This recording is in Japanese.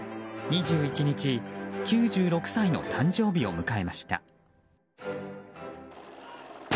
２１日、９６歳の誕生日を迎えました。